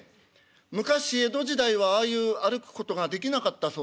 昔江戸時代はああいう歩くことができなかったそうです。